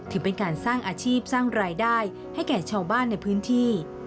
ถือเป็นการสร้างอาชีพสร้างรายได้ให้แก่ชาวบ้านในพื้นที่